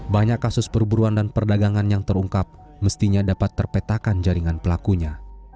banyak kasus perburuan dan perdagangan yang terungkap mestinya dapat terpetakan jaringan pelakunya